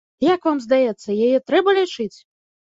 Як вам здаецца, яе трэба лячыць?